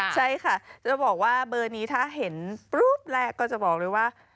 ใช่ค่ะจะบอกว่าเบอร์นี้ถ้าเห็นปุ๊บแรกก็จะบอกเลยว่า